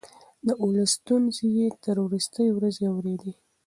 د ولس ستونزې يې تر وروستۍ ورځې اورېدې.